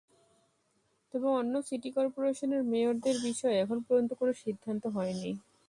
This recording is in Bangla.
তবে অন্য সিটি করপোরেশনের মেয়রদের বিষয়ে এখন পর্যন্ত কোনো সিদ্ধান্ত হয়নি।